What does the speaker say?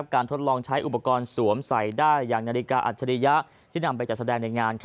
ทดลองใช้อุปกรณ์สวมใส่ได้อย่างนาฬิกาอัจฉริยะที่นำไปจัดแสดงในงาน